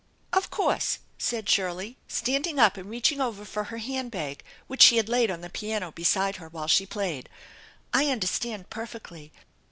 " Of course !" said Shirley, standing up and reaching over for her hand bag, which she had laid on the piano beside her while she played. " I understand perfectly.